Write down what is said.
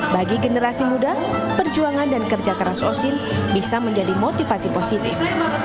bagi generasi muda perjuangan dan kerja keras osin bisa menjadi motivasi positif